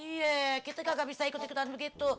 iya kita kagak bisa ikut ikutan begitu